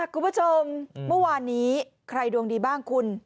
คุณผู้ชมเมื่อวานนี้ใครดวงดีบ้างคุณ